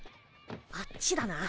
あっちだな。